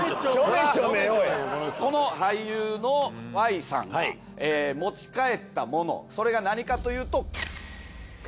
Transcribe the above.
この俳優のＹさんが持ち帰ったものそれが何かというと。